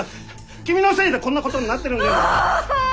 君のせいでこんなことになってるんじゃないか。